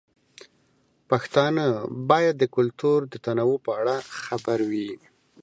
پښتانه باید د کلتور د تنوع په اړه خبر وي.